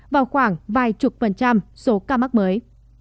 vào khoảng vài chục phần trăm số ca mắc mới